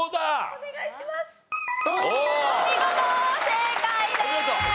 お見事正解です。